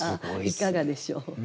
いかがでしょう？